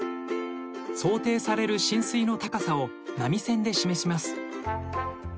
想定される浸水の高さを波線で示します。